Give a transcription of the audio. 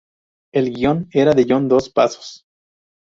El guion era de John Dos Passos.